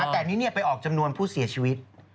แต่อันนี้ไปออกจำนวนผู้เสียชีวิต